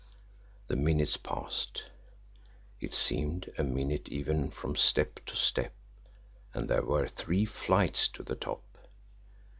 The minutes passed it seemed a minute even from step to step, and there were three flights to the top!